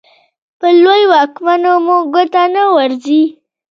په لویو واکمنو مو ګوته نه ورځي.